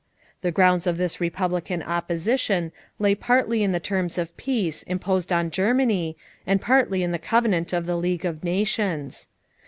The grounds of this Republican opposition lay partly in the terms of peace imposed on Germany and partly in the Covenant of the League of Nations.